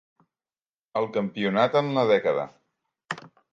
El Campionat en la dècada.